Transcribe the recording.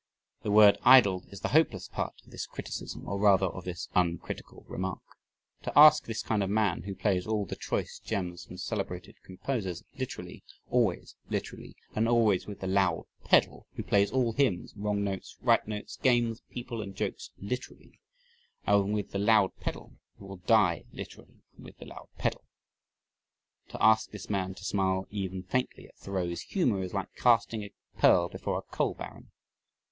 The word idled is the hopeless part of this criticism, or rather of this uncritical remark. To ask this kind of a man, who plays all the "choice gems from celebrated composers" literally, always literally, and always with the loud pedal, who plays all hymns, wrong notes, right notes, games, people, and jokes literally, and with the loud pedal, who will die literally and with the loud pedal to ask this man to smile even faintly at Thoreau's humor is like casting a pearl before a coal baron.